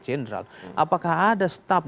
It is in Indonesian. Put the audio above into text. jenderal apakah ada staff